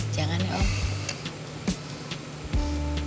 jangan ya om